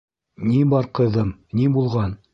- Ни бар, ҡыҙым, ни булған?